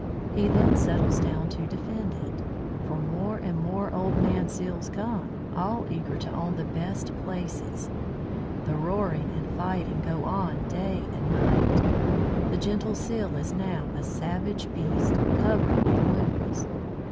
He then settles down to defend it; for more and more "old man" Seals come, all eager to own the best places. The roaring and fighting go on day and night. The gentle Seal is now a savage beast, covered with wounds.